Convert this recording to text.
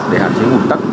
để hạn chế nguồn tắc